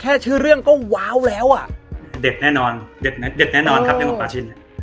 ชื่อเรื่องก็ว้าวแล้วอ่ะเด็ดแน่นอนเด็ดแน่นอนครับอย่างของปลาชิน